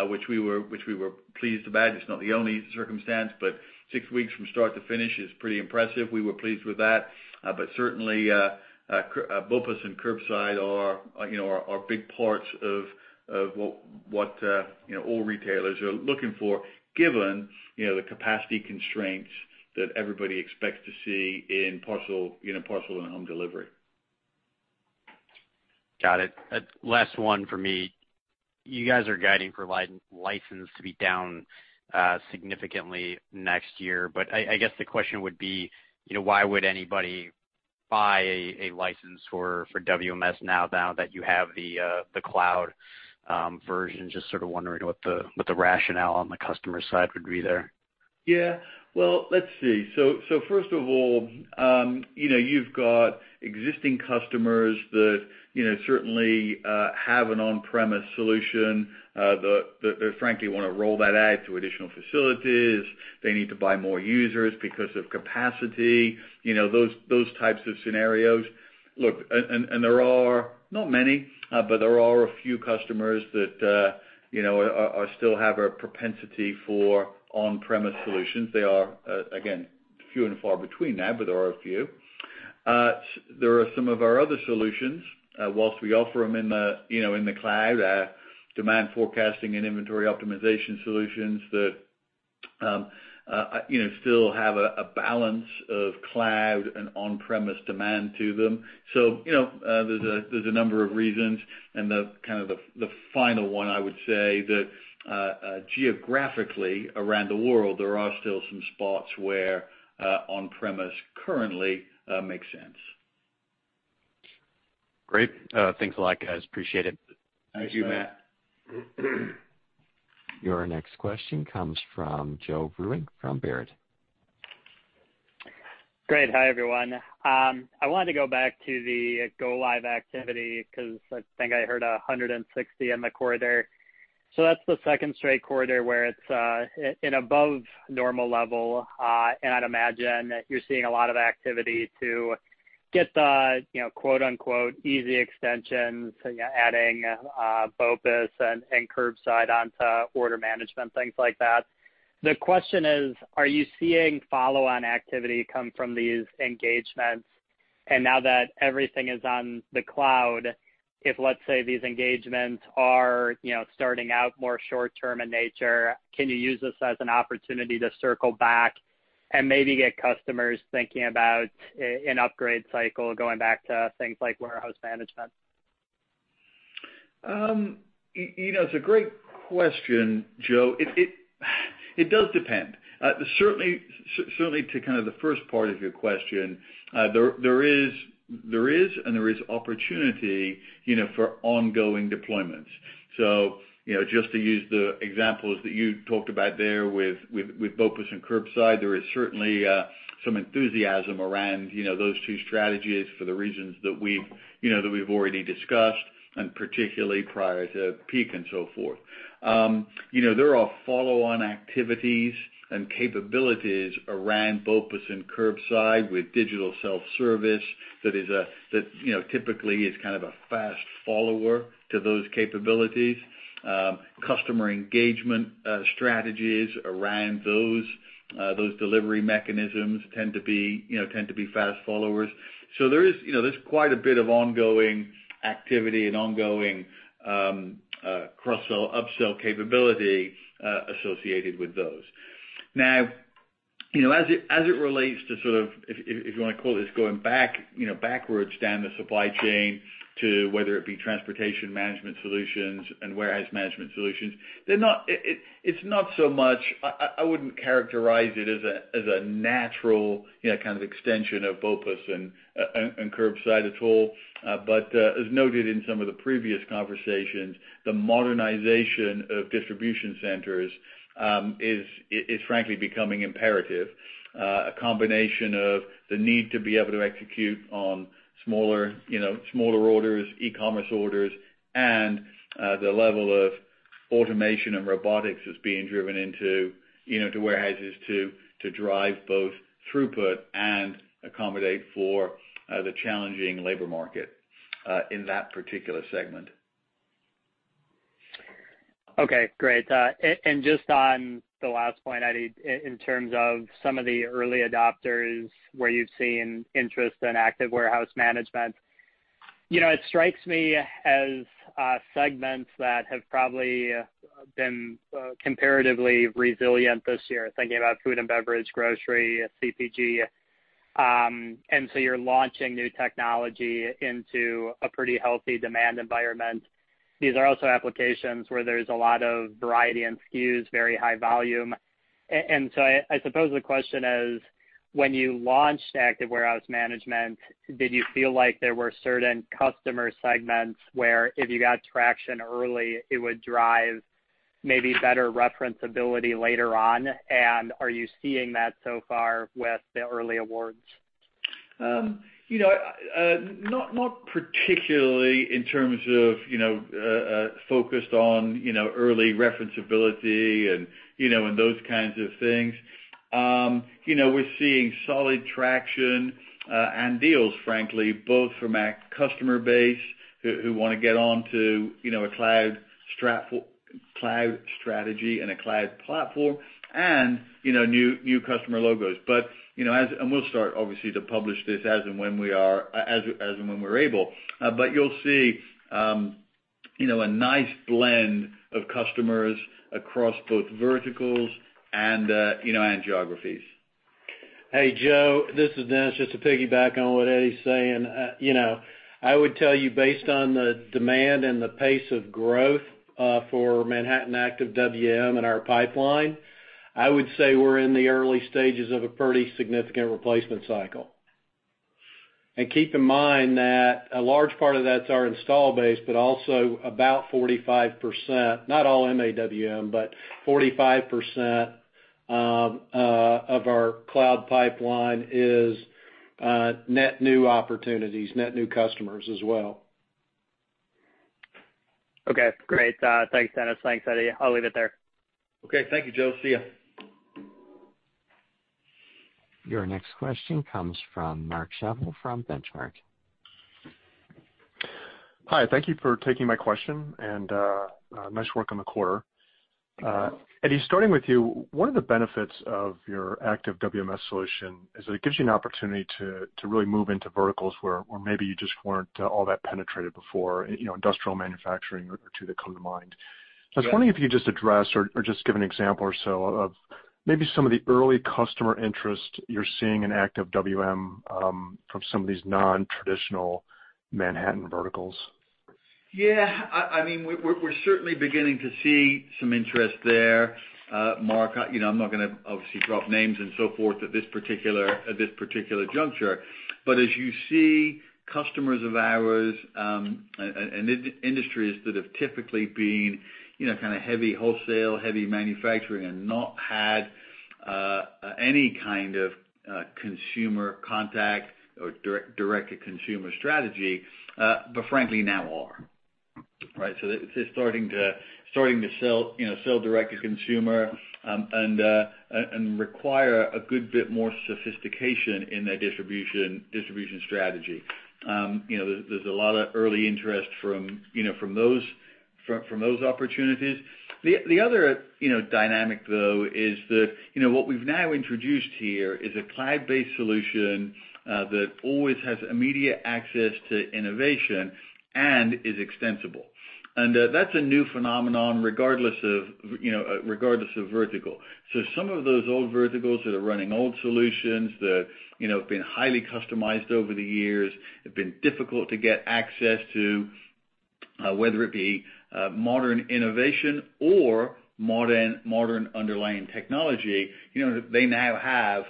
which we were pleased about. It's not the only circumstance, but six weeks from start to finish is pretty impressive. We were pleased with that. But certainly, BOPUS and curbside are big parts of what all retailers are looking for, given the capacity constraints that everybody expects to see in parcel and home delivery. Got it. Last one for me. You guys are guiding for license to be down significantly next year. But I guess the question would be, why would anybody buy a license for WMS now that you have the cloud version? Just sort of wondering what the rationale on the customer side would be there? Yeah. Well, let's see. So first of all, you've got existing customers that certainly have an on-premise solution that, frankly, want to roll that out to additional facilities. They need to buy more users because of capacity, those types of scenarios. Look, and there are not many, but there are a few customers that still have a propensity for on-premise solutions. They are, again, few and far between now, but there are a few. There are some of our other solutions. While we offer them in the cloud, our demand forecasting and inventory optimization solutions that still have a balance of cloud and on-premise demand to them. So there's a number of reasons. And kind of the final one, I would say that geographically around the world, there are still some spots where on-premise currently makes sense. Great. Thanks a lot, guys. Appreciate it. Thank you, Matt. Your next question comes from Joe Vruwink from Baird. Great. Hi, everyone. I wanted to go back to the Go Live activity because I think I heard 160 in the quarter. So that's the second straight quarter where it's in above normal level. And I'd imagine that you're seeing a lot of activity to get the "easy extensions" adding BOPUS and curbside onto order management, things like that. The question is, are you seeing follow-on activity come from these engagements? And now that everything is on the cloud, if, let's say, these engagements are starting out more short-term in nature, can you use this as an opportunity to circle back and maybe get customers thinking about an upgrade cycle going back to things like warehouse management? It's a great question, Joe. It does depend. Certainly, to kind of the first part of your question, there is an opportunity for ongoing deployments. So just to use the examples that you talked about there with BOPUS and curbside, there is certainly some enthusiasm around those two strategies for the reasons that we've already discussed, and particularly prior to peak and so forth. There are follow-on activities and capabilities around BOPUS and curbside with digital self-service that typically is kind of a fast follower to those capabilities. Customer engagement strategies around those delivery mechanisms tend to be fast followers. So there's quite a bit of ongoing activity and ongoing cross-sell, up-sell capability associated with those. Now, as it relates to sort of, if you want to call it, going backwards down the supply chain to whether it be transportation management solutions and warehouse management solutions, it's not so much I wouldn't characterize it as a natural kind of extension of BOPUS and curbside at all. But as noted in some of the previous conversations, the modernization of distribution centers is, frankly, becoming imperative. A combination of the need to be able to execute on smaller orders, e-commerce orders, and the level of automation and robotics that's being driven into warehouses to drive both throughput and accommodate for the challenging labor market in that particular segment. Okay. Great. And just on the last point, Eddie, in terms of some of the early adopters where you've seen interest in Active Warehouse Management, it strikes me as segments that have probably been comparatively resilient this year, thinking about food and beverage, grocery, CPG. And so you're launching new technology into a pretty healthy demand environment. These are also applications where there's a lot of variety and SKUs, very high volume. And so I suppose the question is, when you launched Active Warehouse Management, did you feel like there were certain customer segments where, if you got traction early, it would drive maybe better referenceability later on? And are you seeing that so far with the early awards? Not particularly in terms of focused on early referenceability and those kinds of things. We're seeing solid traction and deals, frankly, both from our customer base who want to get onto a cloud strategy and a cloud platform and new customer logos. And we'll start, obviously, to publish this as and when we are as and when we're able. But you'll see a nice blend of customers across both verticals and geographies. Hey, Joe, this is Dennis. Just to piggyback on what Eddie's saying, I would tell you, based on the demand and the pace of growth for Manhattan Active WM and our pipeline, I would say we're in the early stages of a pretty significant replacement cycle. And keep in mind that a large part of that's our installed base, but also about 45%, not all Manhattan Active WM, but 45% of our cloud pipeline is net new opportunities, net new customers as well. Okay. Great. Thanks, Dennis. Thanks, Eddie. I'll leave it there. Okay. Thank you, Joe. See you. Your next question comes from Mark Schappel from Benchmark. Hi. Thank you for taking my question and nice work on the quarter. Eddie, starting with you, one of the benefits of your Active WMS solution is that it gives you an opportunity to really move into verticals where maybe you just weren't all that penetrated before, industrial manufacturing or two that come to mind. So I was wondering if you could just address or just give an example or so of maybe some of the early customer interest you're seeing in Active WM from some of these non-traditional Manhattan verticals. Yeah. I mean, we're certainly beginning to see some interest there. Mark, I'm not going to obviously drop names and so forth at this particular juncture, but as you see customers of ours and industries that have typically been kind of heavy wholesale, heavy manufacturing, and not had any kind of consumer contact or direct-to-consumer strategy, but frankly now are, right? So they're starting to sell direct-to-consumer and require a good bit more sophistication in their distribution strategy. There's a lot of early interest from those opportunities. The other dynamic, though, is that what we've now introduced here is a cloud-based solution that always has immediate access to innovation and is extensible, and that's a new phenomenon regardless of vertical. Some of those old verticals that are running old solutions that have been highly customized over the years have been difficult to get access to, whether it be modern innovation or modern underlying technology. They now have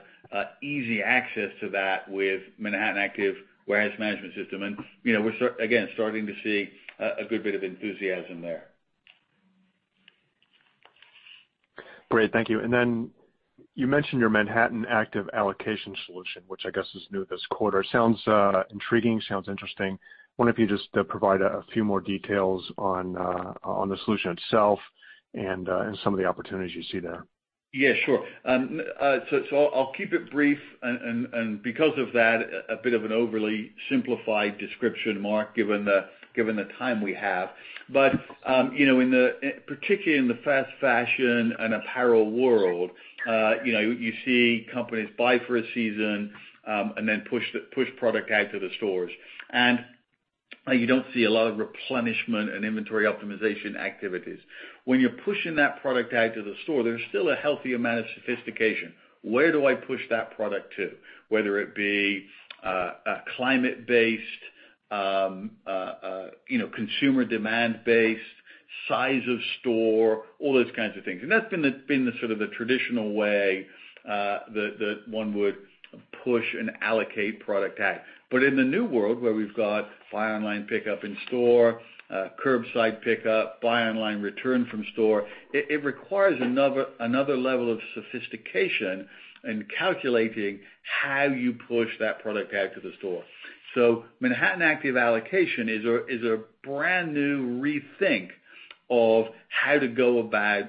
easy access to that with Manhattan Active Warehouse Management System. We're, again, starting to see a good bit of enthusiasm there. Great. Thank you. And then you mentioned your Manhattan Active Allocation Solution, which I guess is new this quarter. Sounds intriguing. Sounds interesting. I wonder if you just provide a few more details on the solution itself and some of the opportunities you see there. Yeah, sure. So I'll keep it brief. And because of that, a bit of an overly simplified description, Mark, given the time we have. But particularly in the fast fashion and apparel world, you see companies buy for a season and then push product out to the stores. And you don't see a lot of replenishment and inventory optimization activities. When you're pushing that product out to the store, there's still a healthy amount of sophistication. Where do I push that product to? Whether it be climate-based, consumer demand-based, size of store, all those kinds of things. And that's been sort of the traditional way that one would push and allocate product out. But in the new world, where we've got buy online pickup in store, curbside pickup, buy online return from store, it requires another level of sophistication in calculating how you push that product out to the store. So Manhattan Active Allocation is a brand new rethink of how to go about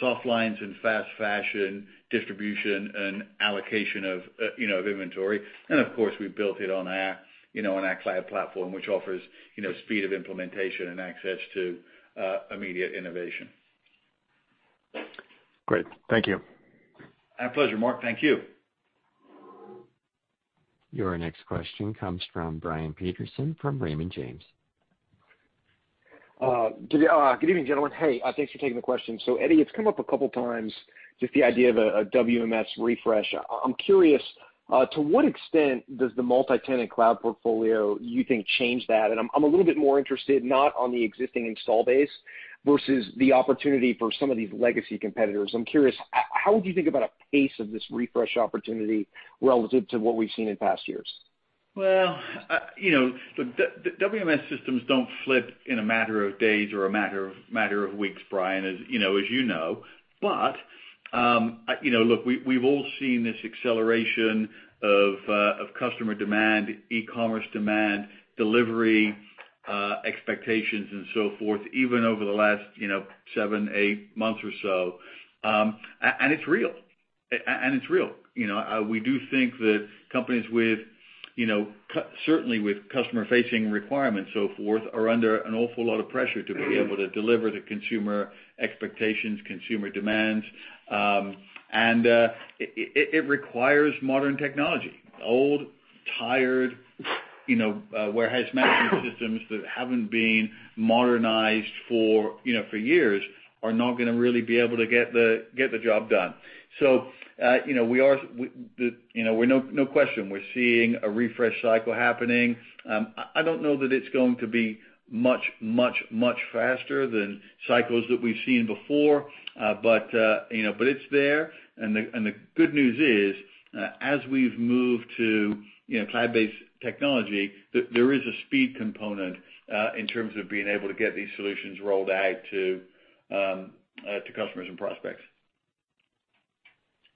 softlines and fast fashion distribution and allocation of inventory. And of course, we built it on our cloud platform, which offers speed of implementation and access to immediate innovation. Great. Thank you. My pleasure, Mark. Thank you. Your next question comes from Brian Peterson from Raymond James. Good evening, gentlemen. Hey, thanks for taking the question. So Eddie, it's come up a couple of times, just the idea of a WMS refresh. I'm curious, to what extent does the multi-tenant cloud portfolio, you think, change that? And I'm a little bit more interested not on the existing install base versus the opportunity for some of these legacy competitors. I'm curious, how would you think about a pace of this refresh opportunity relative to what we've seen in past years? Look, WMS systems don't flip in a matter of days or a matter of weeks, Brian, as you know. But look, we've all seen this acceleration of customer demand, e-commerce demand, delivery expectations, and so forth, even over the last seven, eight months or so. And it's real. And it's real. We do think that companies, certainly with customer-facing requirements and so forth, are under an awful lot of pressure to be able to deliver the consumer expectations, consumer demands. And it requires modern technology. Old, tired warehouse management systems that haven't been modernized for years are not going to really be able to get the job done. So, no question, we're seeing a refresh cycle happening. I don't know that it's going to be much, much, much faster than cycles that we've seen before. But it's there. The good news is, as we've moved to cloud-based technology, there is a speed component in terms of being able to get these solutions rolled out to customers and prospects.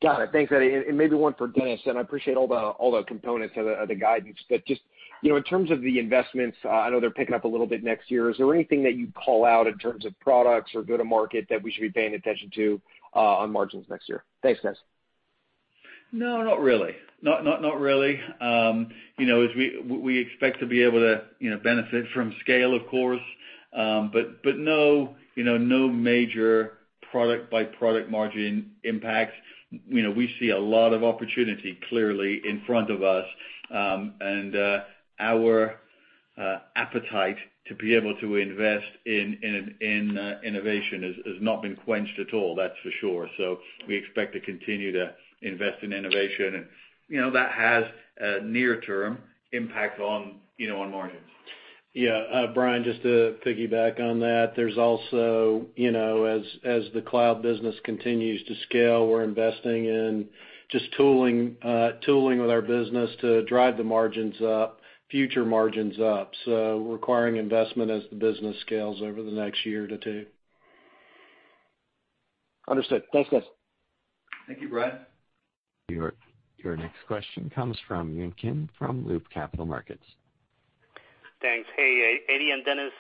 Got it. Thanks, Eddie. And maybe one for Dennis. And I appreciate all the components of the guidance. But just in terms of the investments, I know they're picking up a little bit next year. Is there anything that you'd call out in terms of products or go-to-market that we should be paying attention to on margins next year? Thanks, Dennis. No, not really. Not really. We expect to be able to benefit from scale, of course. But no major product-by-product margin impacts. We see a lot of opportunity clearly in front of us. And our appetite to be able to invest in innovation has not been quenched at all, that's for sure. So we expect to continue to invest in innovation. And that has a near-term impact on margins. Yeah. Brian, just to piggyback on that, there's also, as the cloud business continues to scale, we're investing in just tooling with our business to drive the margins up, future margins up. So requiring investment as the business scales over the next year to two. Understood. Thanks, Dennis. Thank you, Brian. Your next question comes from Yun Kim from Loop Capital Markets. Thanks. Hey, Eddie and Dennis,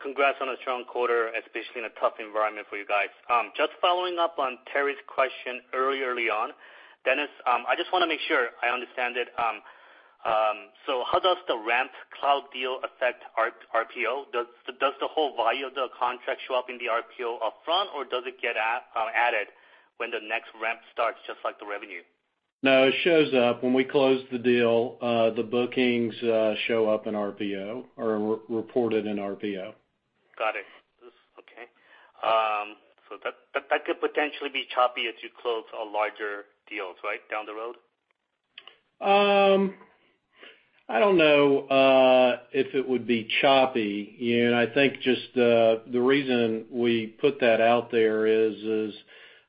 congrats on a strong quarter, especially in a tough environment for you guys. Just following up on Terry's question early on, Dennis, I just want to make sure I understand it. So how does the ramp cloud deal affect RPO? Does the whole value of the contract show up in the RPO upfront, or does it get added when the next ramp starts, just like the revenue? No, it shows up. When we close the deal, the bookings show up in RPO or are reported in RPO. Got it. Okay. So that could potentially be choppy if you close a larger deal, right, down the road? I don't know if it would be choppy. I think just the reason we put that out there is,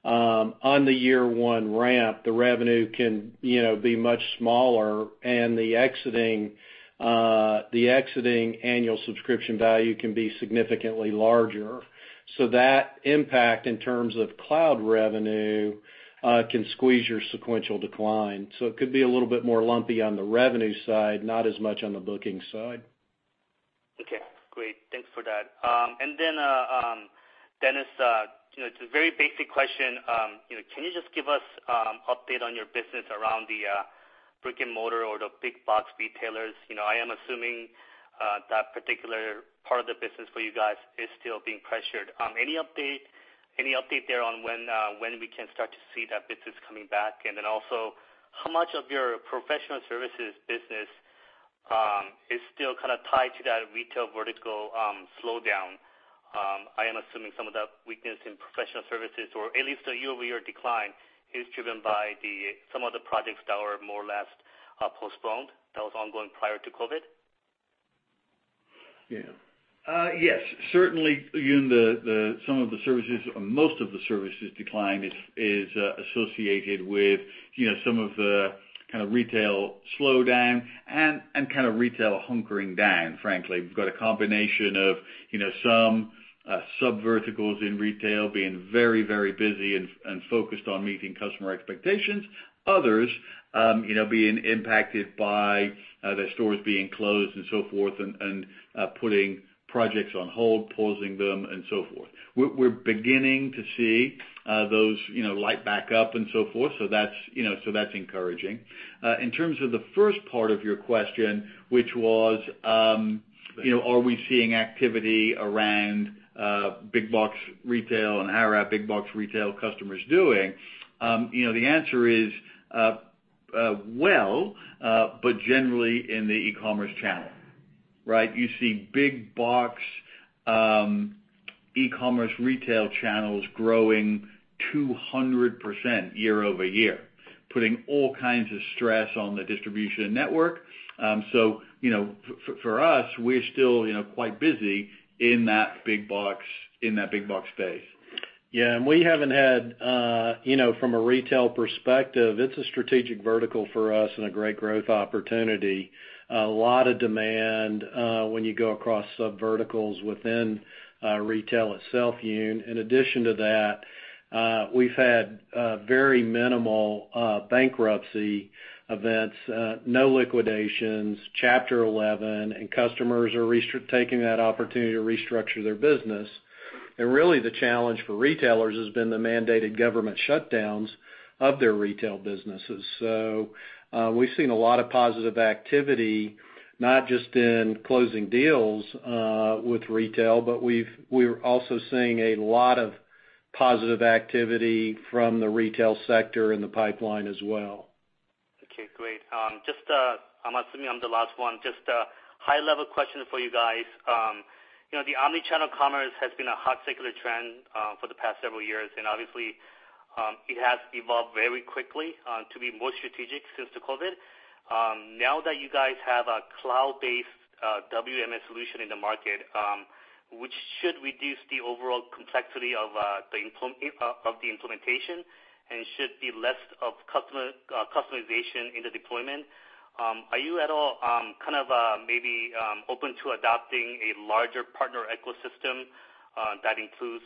on the year-one ramp, the revenue can be much smaller, and the exiting annual subscription value can be significantly larger. So that impact in terms of cloud revenue can squeeze your sequential decline. So it could be a little bit more lumpy on the revenue side, not as much on the booking side. Okay. Great. Thanks for that. And then, Dennis, it's a very basic question. Can you just give us an update on your business around the brick-and-mortar or the big-box retailers? I am assuming that particular part of the business for you guys is still being pressured. Any update there on when we can start to see that business coming back? And then also, how much of your professional services business is still kind of tied to that retail vertical slowdown? I am assuming some of that weakness in professional services, or at least a year-over-year decline, is driven by some of the projects that were more or less postponed that was ongoing prior to COVID? Yeah. Yes. Certainly, some of the services, most of the services decline is associated with some of the kind of retail slowdown and kind of retail hunkering down, frankly. We've got a combination of some sub-verticals in retail being very, very busy and focused on meeting customer expectations, others being impacted by their stores being closed and so forth and putting projects on hold, pausing them, and so forth. We're beginning to see those lights back up and so forth. So that's encouraging. In terms of the first part of your question, which was, are we seeing activity around big-box retail and how are our big-box retail customers doing? The answer is, well, but generally in the e-commerce channel, right? You see big-box e-commerce retail channels growing 200% year-over-year, putting all kinds of stress on the distribution network. So for us, we're still quite busy in that big-box space. Yeah. And we haven't had, from a retail perspective, it's a strategic vertical for us and a great growth opportunity. A lot of demand when you go across sub-verticals within retail itself. In addition to that, we've had very minimal bankruptcy events, no liquidations, Chapter 11, and customers are taking that opportunity to restructure their business. And really, the challenge for retailers has been the mandated government shutdowns of their retail businesses. So we've seen a lot of positive activity, not just in closing deals with retail, but we're also seeing a lot of positive activity from the retail sector in the pipeline as well. Okay. Great. I'm assuming I'm the last one. Just a high-level question for you guys. The omnichannel commerce has been a hot secular trend for the past several years, and obviously, it has evolved very quickly to be more strategic since the COVID. Now that you guys have a cloud-based WMS solution in the market, which should reduce the overall complexity of the implementation and should be less of customization in the deployment, are you at all kind of maybe open to adopting a larger partner ecosystem that includes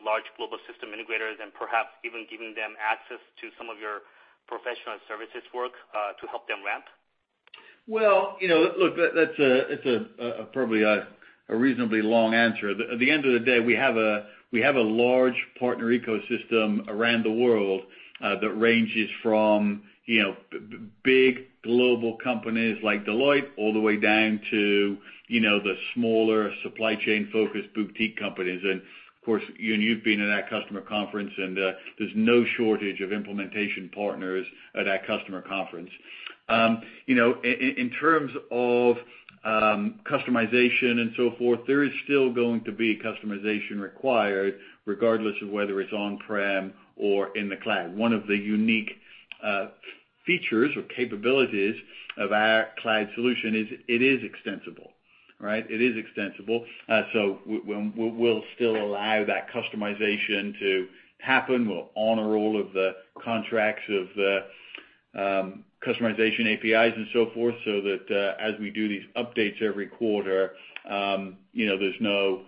large global system integrators and perhaps even giving them access to some of your professional services work to help them ramp? Look, that's probably a reasonably long answer. At the end of the day, we have a large partner ecosystem around the world that ranges from big global companies like Deloitte all the way down to the smaller supply chain-focused boutique companies. And of course, you've been at that customer conference, and there's no shortage of implementation partners at that customer conference. In terms of customization and so forth, there is still going to be customization required regardless of whether it's on-prem or in the cloud. One of the unique features or capabilities of our cloud solution is it is extensible, right? It is extensible. So we'll still allow that customization to happen. We'll honor all of the contracts of the customization APIs and so forth so that as we do these updates every quarter, there's no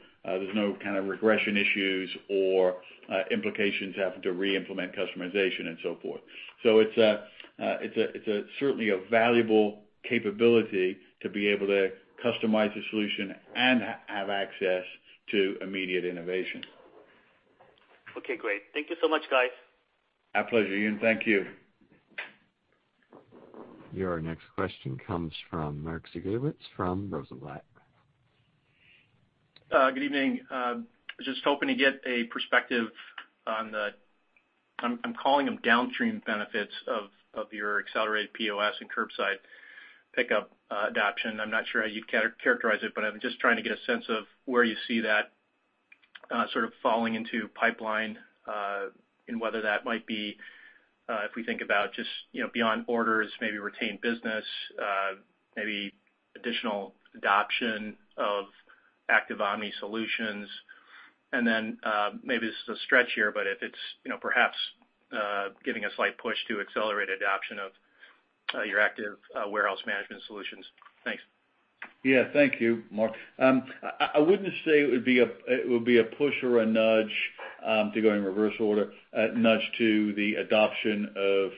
kind of regression issues or implications having to re-implement customization and so forth. So it's certainly a valuable capability to be able to customize the solution and have access to immediate innovation. Okay. Great. Thank you so much, guys. Our pleasure, Yun. Thank you. Your next question comes from Mark Zgutowicz from Rosenblatt. Good evening. Just hoping to get a perspective on the, I'm calling them, downstream benefits of your accelerated POS and curbside pickup adoption. I'm not sure how you'd characterize it, but I'm just trying to get a sense of where you see that sort of falling into pipeline and whether that might be, if we think about just beyond orders, maybe retained business, maybe additional adoption of Active Omni solutions. And then maybe this is a stretch here, but if it's perhaps giving a slight push to accelerate adoption of your Active Warehouse Management solutions. Thanks. Yeah. Thank you, Mark. I wouldn't say it would be a push or a nudge to go in reverse order, a nudge to the adoption of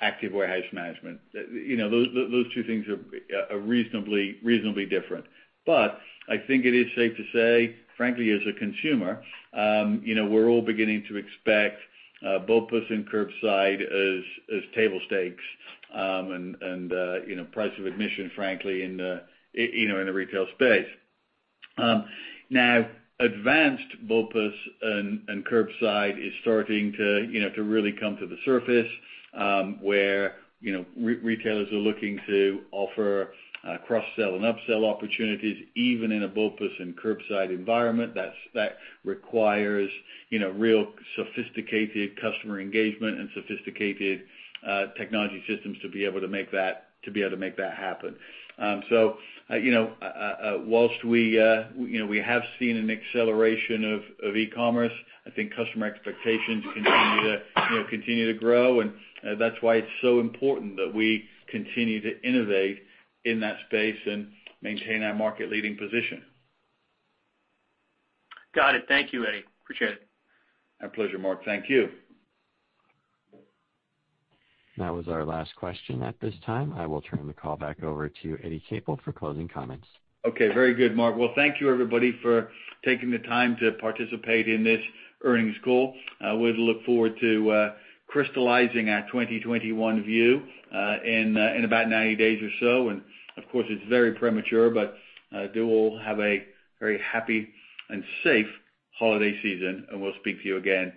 Active Warehouse Management. Those two things are reasonably different. But I think it is safe to say, frankly, as a consumer, we're all beginning to expect BOPUS and curbside as table stakes and price of admission, frankly, in the retail space. Now, advanced BOPUS and curbside is starting to really come to the surface where retailers are looking to offer cross-sell and up-sell opportunities, even in a BOPUS and curbside environment. That requires real sophisticated customer engagement and sophisticated technology systems to be able to make that happen. So while we have seen an acceleration of e-commerce, I think customer expectations continue to grow, and that's why it's so important that we continue to innovate in that space and maintain our market-leading position. Got it. Thank you, Eddie. Appreciate it. My pleasure, Mark. Thank you. That was our last question at this time. I will turn the call back over to Eddie Capel for closing comments. Okay. Very good, Mark. Well, thank you, everybody, for taking the time to participate in this earnings call. We look forward to crystallizing our 2021 view in about 90 days or so. And of course, it's very premature, but do all have a very happy and safe holiday season, and we'll speak to you again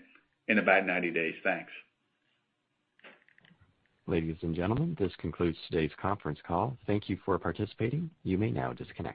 in about 90 days. Thanks. Ladies and gentlemen, this concludes today's conference call. Thank you for participating. You may now disconnect.